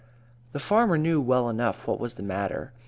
"] "The farmer knew well enough what was the matter.